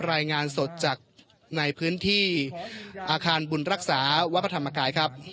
รายงานสดจากในพื้นที่อาคารบุญรักษาวัดพระธรรมกายครับ